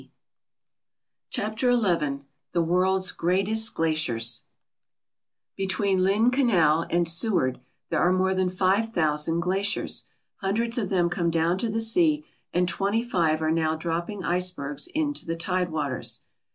86 CHAPTER XI THE WORLD'S GREATEST GLACIERS BETWEEN Lynn Canal and Seward there are more than five thousand glaciers. Hundreds of them come down to the sea and twenty five are now dropping icebergs into the tide waters.